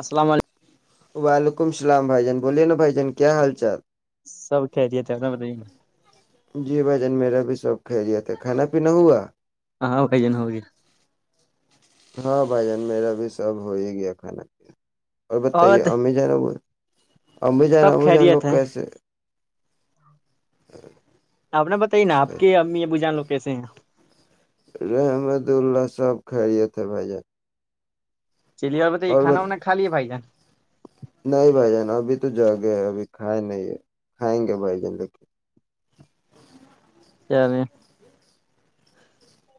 السلام علیکم وعلیکم اللام بھائی جان بولے نا بھائی جان کیا حال چال سب کہتیے تھ نا بتائیے نا جی بھ جان میرا بھی شو کھی لیا تھا کھانا پینا ہوا ہاں وہ کائی جن ہو گیا ہاں بھائی جان میرا بھی سب ہو ہی گیا کھانا پ اور بتائیے ا جانا وہ ابھی جان سب ابھی جان خیریت لوگ ہے کیسے ہ آپ نے بتائی نا آپ کے امی یہ ب جان لو کیسے ہیں رحمد اللہ سب خریے تھے بھائی جان چلیے ب ب تو یہ اور کھا بت... وانا خال ہی پائی جان نہیں بھائی جان ابھی تو جا گیا ہے ابھی کھائے نہیں ہے کھائیں گے بھائی ج لیکن چلے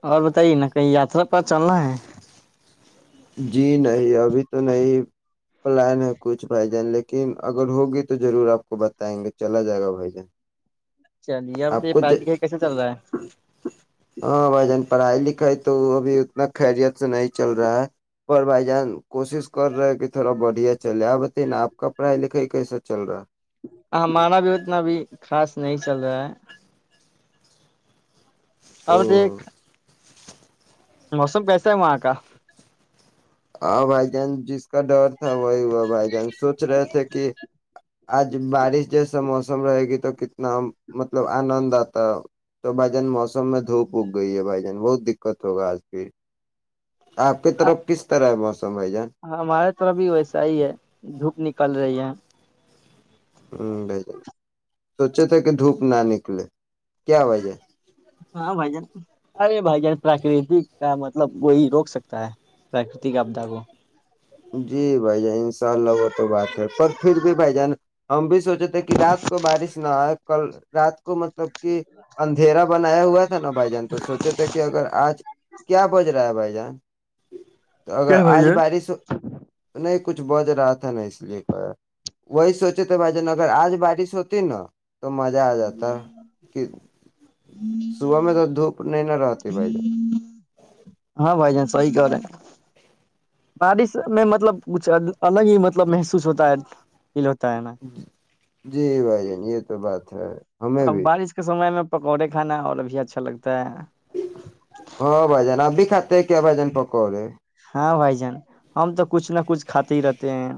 اور بتائیے نا کہیں یاترا پر چلنا ہے جی جی نہیں ابھی تو نہیں پلان ہے کچھ بھائی جان لیکن اگر ہوگی تو ضرور آپ کو بتائیں گے چلا جائے گا بھائی جان چلیےب آپ یہ کو پ ج... کیسے چل رہا ہے ہاں بھائی جان پڑھائی لکھائی تو وہ ابھی نہ خیریت تو نہیں چل رہا ہے پر بھائی جان کوشش کر رہا ہے کہ تھوڑا بڑھیا چلے آپ بتایے نہ آپ کا پڑھائی لکھائی کے کیسا چل رہا ہے ہمارا بھی اتنا بھی خاص نہیں چل رہا ہے اور او دیکھ موسم کیسا ہے وہاں کا ہاں بھائی جان جس کا ڈر تھا وہی ہوا بھائی جان سوچ رہے تھے کہ آج بارش جیسا موسم رہے گی تو کتنا مطلب آنند آتا ہے تو بھائی جان موسم میں دھوپ اگ گئی ہے بھائی جان بہت دقت ہوگا آج بھی آپ کی طرف کس طرح ہے بس ہمارے طرف بھی ویسا ہی ہے دھوپ نکل رہی ہے [inaudible] ہاں بھای جان سوچے تھے کہ دھوپ نہ نکلے کیا بھای جان ہاں بھائی جان ارے بھائی جان پراکرتی کا مطلب کوی روک سکتا ہے پراکرتی کے آپدا کو جی بھائی جان انشاء اللہ وہ تو بات ہے پر پھر بھی بھائی جان ہم بھی سوچے تھے کہ رات کو بارش نہ آئے کل رات کو م مطلب کہ اندھیرا بنایا ہوا تھا نہ بھائی جان تو سوچے تھے کہ اگر آج کیا وجا رہا ہے بھائی جان [inaudible] تو اگر کیا بھائی آج جان بارش نہیں کچھ بج رہا تھا نہ اس لیے وہی سوچے تھے بھائی جان اگر آج بارش ہوتی نہ تو مزہ ا جاتا کہ صبح میں تو دھوپ نہیں ہ رہتی بھائی جان ہاں بھائی جان سہی کہ رہے ہیں بارش میں مطلب کچھ الگ ہی مطلب محسوس ہوتا ہے فیل ہوتا ہے نا جی بھای جان یہ تو بات ہے ہمیں اب بھی بارش کے سمے میں پکوڑے کھانا اور بھی اچھا لگتا ہے ہاں بھای جان اپ بھی کھاتے ہیں کیا بھای جان پکوڑے ہاں بھائی جان ہم تو کچھ نہ کچھ کھاتے ہی رہتے ہیں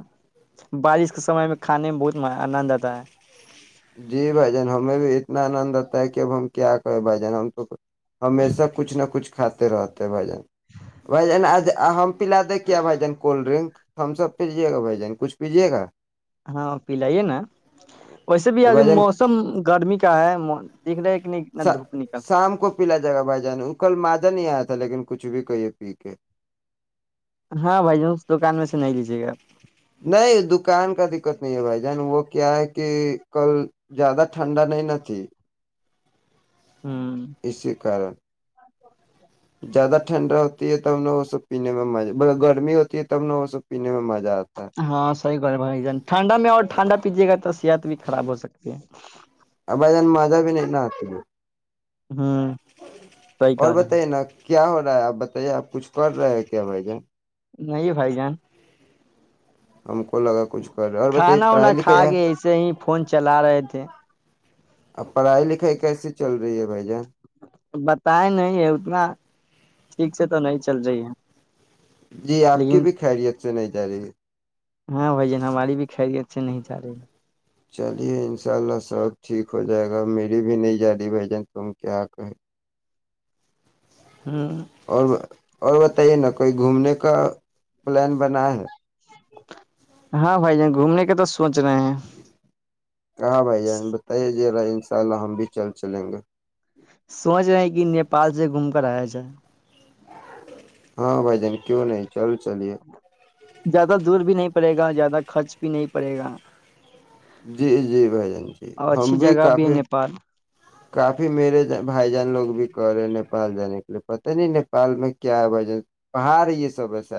بارش کے سمے میں کھانے میں بہت آنند آتا ہے جی بھای جان ہمیں بھی نہ انند اتا ہے کہ ہم کیا کہے بھای جان ہم تو ہمیشہ کچھ نہ کچھ کر کھاتے رہتے ہیں بھای جان بھای جان اج ہم پلا دیں کیا بھائی جان کولڈ ڈرنک ہم سب پیجیے گا بھائی جان کچھ پیجیے گا ہاں پلائیے نا ویسے بھی تو آج بھائی جان موسم گرمی کا ہے دیکھ رہے کہ نہیں انا دھوپ ن کال شام کو پلا جائے گا بھائی جان کل مادہ نہیں آیا لیکن کچھ بھی کہیے پی کے ہاں بھائی ج اس دکان میں سے نہیں لیجیے گا آپ نہیں دکان کا دقت نہیں ہے بھائی جان وہ کیا ہے کہ کل زیادہ ٹھنڈا نہیں نہ تھی ہ اسی کارن زیادہ ٹھنڈا ہوتی ہے تب نے وہ سب پینے میں مز گرمی ہوتی ہے تب نہ وہ سب پینے میں مز ہاں صحی گ ہے بھائی جان ٹھنڈا میں اور ٹھنڈا ک جگہ تس ت بھی خراب ہو سکتی ہے ابھائی جان مزہ بھی نہیںنا آتی ہ صحیح کہ اور رہے ہیں بتائیے نا کیا ہو رہا ہے آپ بتائیے آپ کچھ کر رہے ہو کیا بھائی جان نہیں بھائی جان ہم کو لگا کچھ اور بتائیے کھانا پڑھائی وانا لکھ کھا کے ایسے ہی فون چلا رہے تھے ا پڑھائی لکھائی کیس چل رہی ہے ر جا بتیں نہیں ہے اتنا ٹھیک سے تو نہیں چل رہی ہے جی آپ کی لیکن بھی خیریت سے نہیں جا رہی ہے ا سے نہیں جا رہے ہیں چلیے انشاء اللہ سب ٹھیک ہو جائے گا میری بھی نہیں جا رہی بھائی جان تم کیا کہے ہے ہ اور اور بتائیے نا کوئی گھومنے کا پلان بنا ہے ہاں بھائی جان گھومنے کے تو سوچ رہے ہیں رہا ان شاء اللہ ہم بھی چل چلیں گے سوچ رہے ہیں کہ نیپال سے گھوم کر آیا جائے ہاں بھ ج کی بول زیادہ دور بھی نہیں پڑے گا زیادہ خرچ بھی نہیں پڑے گا جی جی بھائی جن جی اور ہم اچھی بھی جگہ ہے کافی نیپال کافی میرے بھائی جان لوگ بھی کہ رہے ہیں نیپال جانے کے لیے پتہ نہیں نپال میں کیا ہے بجن پہاڑ یہ سب ایسا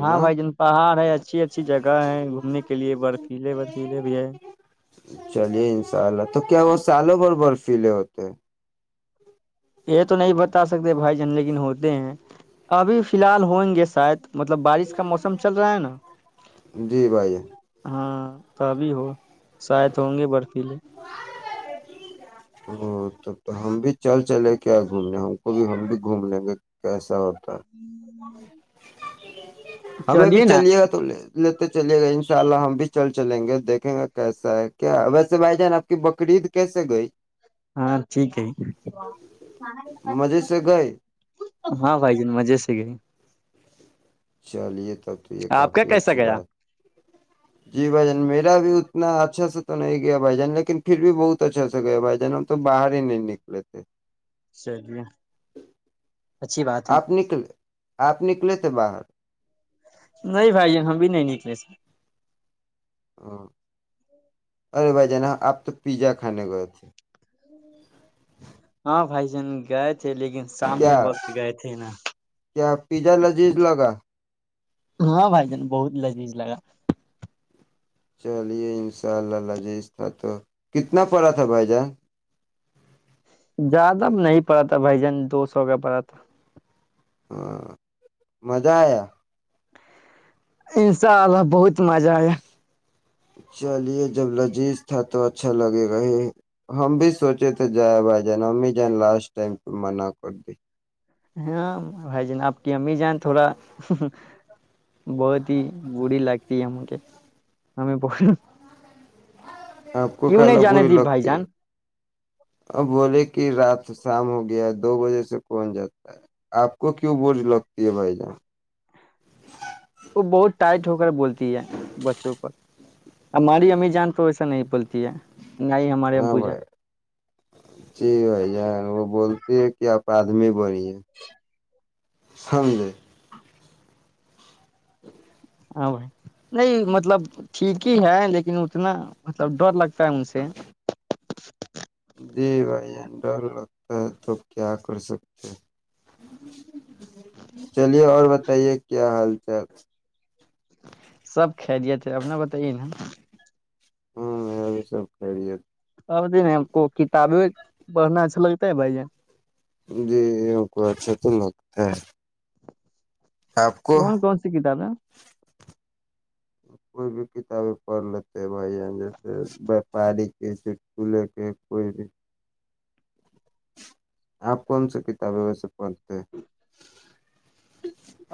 ہاں بھائی جان پہاڑ ہے اچھی اچھی جگہ ہے گھومنے کے لیے برفیلے برفیلے بھی ہے چلیے سیلے ہوتے ہیں یہ تو نہیں بتا سکتے بھائی جان لیکن ہوتے ہیں ابھی فی الحال ہوئیں گے شاید مطلب بارش کا موسم چل رہا ہے نا ہیں جی بھائی جان، ہاں ت بھی ہو شاید ہوں گے برفیلے ا توب تو ہم بھی چل چلے کیا گھومنا ہم کو بھی ہم بھی گھوم لیں گے کیسا اور ہمیں بھی چلیے گا تو لے لیتے چلے گئے ان شاء اللہ ہم بھی چل چلیں گے دیکھیں گا کیسا ہے کیا ویسے بھائی جان آپ کی بکرید کیسے گئی ہاں ٹھیک ہے مزے سے گئے ہاں بھائی جن مزے سے گئے چلیت ب تو یہ آپ کا کافی کیسا اچھی گیا بات جی بھجن میرا بھی اتنا اچھا سے تو نہیں گیا بھائی جان لیکن پھر بھی بہت اچھا سے گئے بھائی جان ہم تو باہر ہی نہیں نکے تھے چلیے اچھی بات ہے آپ نکلے آپ نکلے تھے باہر نہیں بھائی ہم بھی نہیں نکلے س ہ ارے بھائی جانا آپ تو پیزا کھانے گئے تھے ہاں بائی جن گائے کیا کیا پیزا لذیذ لگا ہاں بھائی جان بہت لذیذ لگا چلیے انشاء اللہ لجیذ تھا تو کتنا پڑا تھا بھائی جان زیادہ نہیں پڑا تھا بھائی جان دو سو کا پڑا تھا ہاں مزہ آیا انشاء اللہ بہت مزہ آیا چلیے جب لذیذ تھا تو اچھا لگے گا ہی ہم بھی سوچے تھے جائ بھائی جان ہممی جیں لاسٹ ٹائم پ منع کر دی ہاں بھائی جین آپ کی ہممی جان تھوڑا بہت ہی بری لگتی ہے ہمک ہمیں پ آپ کو کلا بری دی بھائی لگتی ہے جان اور بولے کہ رات شام ہو گیا دو بجے سے کون جاتا ہے آپ کو کیوں بوجھ لگتی ہے بھائی جان بول ہے بچوں پر ہم ہماری امی جان تو و نہیں بولتی ہے نہ ہی ہمارے یہاں ہاں پوجا بھائی جی بھائی ج وہ بول پ کی اپردمی بنی ہے سمج لے ج [inaudible] ہاں بھائی نہیں مطلب ٹھیک ہی ہے لیکن اتنا مطلب ڈر لگتا ہے ان سے جی بھائی جان ڈر لگتا ہے تو کیا کر سکتے چلیے اور بتائیے کیا حال چال سب کھ لیے تھے اپنا بتائیے ن ہاں ا بھی سب کریت اب ہم کو کتابیں پڑھنا اچھا لگتا ہے بھائی یہ جی کو اچھا تو لگتا ہے آپ کو کون کون سی کتابیں کوئی بھی کتابیں پڑھ لیتے بھائی ج ج [unintelligible] پڑی کے چک لے کے کوئی [unintelligible] آپ کون سی کتابیں ہو سکتے پنتے [unintelligible]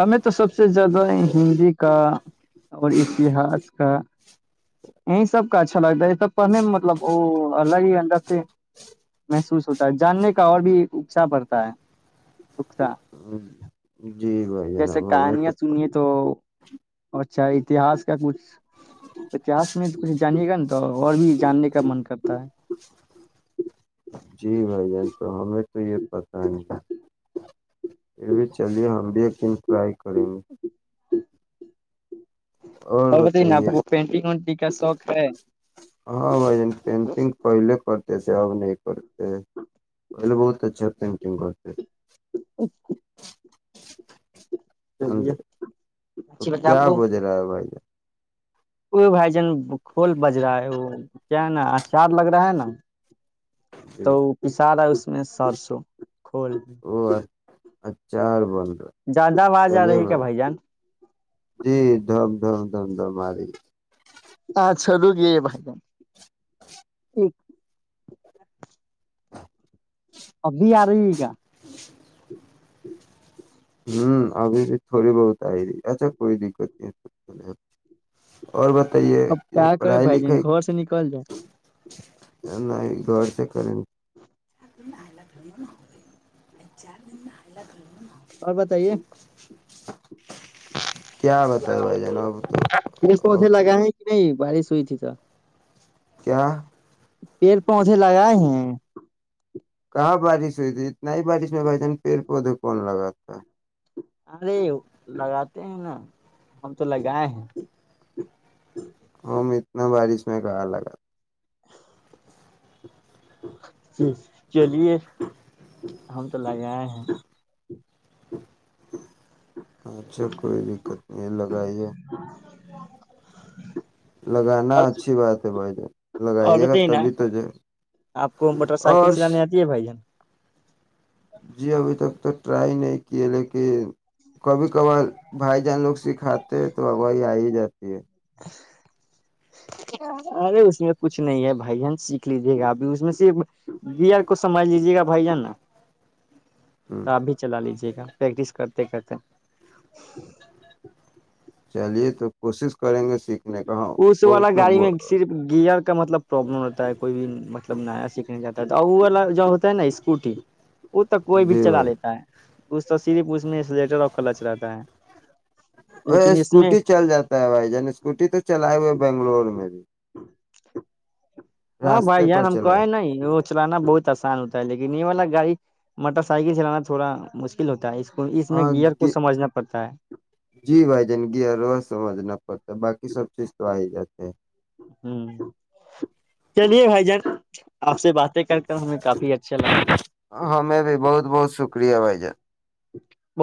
ہمیں تو سب سے زیادہ ہندی کا یہ سب کا اچھا لگتا ہے ب پہنے مطلب وہ اور الگ ہی اندر سے محسوس ہوتا ہے جاننے کا اور بھی اکساہ پڑتا ہے اکسا جی بھائی جیسے جناب ہ میں کہانیاں توب سنیے تو اچھا اتہاس کا کچھ اتحس میں کچھ جانیے گا نا تو اور بھی جاننے کا من کرتا ہے جی بھائی جان تو ہمیں تو یہ پتاہ نہیں پھر بھی چلیے ہم بھی لیکن ٹرائی کریں گے اور نا آپ بتائیے کو پینٹنگ وینٹنگ کا شوق ہے ہاں بھائین پینٹنگ پہلے کرتے صحب نے [unintelligible] ا بہت [unintelligible] تو چ پینٹینگ کرتے [unintelligible] اکے [unintelligible] تو اچھی بات کیا بج رہا ہے بھائی ج ا بھائی جان کھول بج رہا ہے وہ کیا ہے نا اچار لگ رہا ہے نا تو جان پس رہا اس [unintelligible] میں سار سو [unintelligible] کھول میں [unintelligible] چار بند [unintelligible] زیادہ آاز آ رہی کیا بھائی جان د دم د ماری آاں چلو گی بھائی جان [inaudible] ٹھ [unintelligible] ہ [inaudible] ابھی آ رہی ہے گا ہوں ابھی بھی تھوڑی بہت آئی تی اچھا کوئی دقت نہیں اور بتائیے اب کہ کیا کرے پڑھائی بھائی جان لکھائی گھر سے نکل جائے نہیں گھر سے کریں چار دن آیالا گھھر ہو رہے چار دن میں آ گھر اور بتائیے [inaudible] کیا بتائے بھائی جان اب تو س اب مے تو لگا ہے کہ نہیں بارشوئی ت تو کیا پیڑ پودھے لگائے ہیں کہاں بارش ہوئی تھی اتنا ہی بارش میں بھائی جان پیڑ پودے کون لگا تھا ارے لگاتے ہیں نا ہم تو لگائے ہیں ہ اتنا بارش میں کہا لگا چلیے ہم تو لگ آئے ہیں اچھا کوئی دقت نہیں ہے لگائیے لگانا اور اچھی بات ہے بھائی جان اور لگائیے گا بتائیے نا تبھی تو ج آپ کو موٹر سائیکل اور چلانے آتی ہے بھائی جان جی ابھی تک تو ٹرائی نہیں کیے لیکن کبھی کبھار بھائی جان لوگ سکھاتے تو اائی آ ہی جاتے ج ارے اس میں کچھ نہیں ہے بھائی جان سیکھ لیجے گا ابھی اس میں سے گیر کو سمجھ لیجے گا بھائی جان نا ہ تو آپ بھی چلا لیجیے پریکٹس کرتے کرتے چلیے تو کوشش کریں گے سیکھ اس والا گاڑی میں صرف گیئر کا مطلب پروابلم رہتا ہے کوئی بھی مطب سب نیا سیکھنے جا ہے تو وہ والا جو ہوتا ہے نا اسکوٹی وہ تو کوئی بھی جی چلا بھائی لیتا ہے اس تو صرف اس میں سلیٹر اور کلچ رہتا ہے ا لیکن اس میں اسکوٹی چل جاتا ہے بھائی جان اسکوٹی تو چلائے ہوئے بنگلور میں بھی ہاں بھائی راستے پر جان ہم چلا ہے کوے نہیں چلانا بہت آسان ہوتا ہے لیکن یہ والا گاڑی موٹر سائیکل چلانا تھوڑا مشکل ہوتا ہے اس کو اس میں ہاں گیئر گ کو سمجھنا پڑتا ہے جی بھائی جانگیرو سمجھنا تا باقی سب چیز تو آ ہی جاتی ہے ہ چلیے بھائی جان آپ سے بات کر کر ہمیں کافی اچھا لگا ہمیں بھی بہت بہت شکریہ بھائی جان [unintelligible]